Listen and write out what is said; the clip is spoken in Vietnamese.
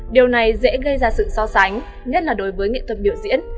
điều này dễ gây ra sự so sánh nhất là đối với nghệ thuật biểu diễn